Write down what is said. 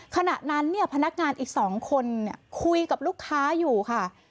ขณะนั้นเนี่ยพนักงานอีก๒คนคุยกับลูกค้าอยู่ค่ะ